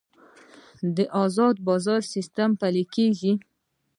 د ازاد بازار سیستم پلی کیږي